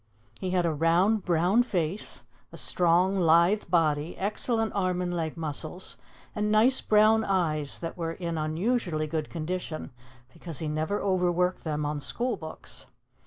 He had a round, brown face, a strong, lithe body, excellent arm and leg muscles, and nice brown eyes that were in unusually good condition because he never overworked them on school books.